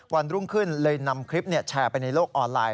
วันรุ่งขึ้นเลยนำคลิปแชร์ไปในโลกออนไลน